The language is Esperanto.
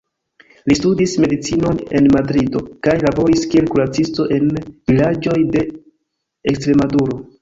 Li studis medicinon en Madrido kaj laboris kiel kuracisto en vilaĝoj de Ekstremaduro.